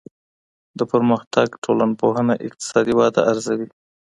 د پرمختګ ټولنپوهنه اقتصادي وده ارزوي.